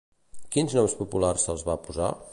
Quin nom popular se'ls va posar?